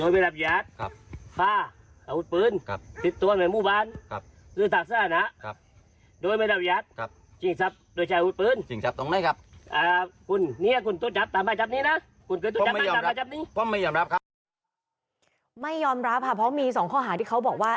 ไม่ยอมรับค่ะเพราะมี๒ข้อหาที่เขาบอกว่า